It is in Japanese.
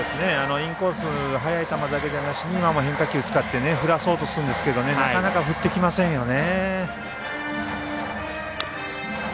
インコース速い球だけではなしに今も変化球使って振らせようとするんですけどなかなか、振ってきませんよね。